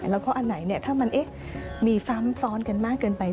แล้วก็อันไหนถ้ามันมีซ้ำซ้อนกันมากเกินไป